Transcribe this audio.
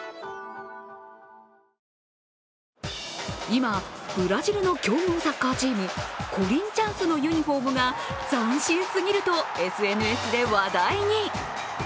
今、ブラジルの競合サッカーチーム、コリンチャンスのユニフォームが斬新すぎるとＳＮＳで話題に。